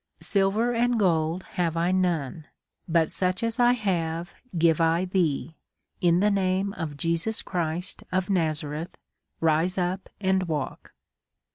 Silver and gold have I none, but such as I have give I thee ; in the name of Jesus Christ ofNazartth, rise up and loalk.